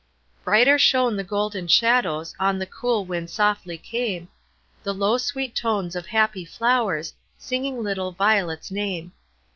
Brighter shone the golden shadows; On the cool wind softly came The low, sweet tones of happy flowers, Singing little Violet's name.